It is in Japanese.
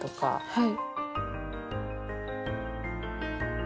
はい。